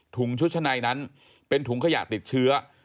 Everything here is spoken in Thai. ชุดชะในนั้นเป็นถุงขยะติดเชื้อ